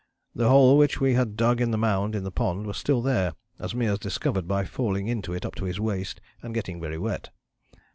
The hole which we had dug in the mound in the pond was still there, as Meares discovered by falling into it up to his waist, and getting very wet.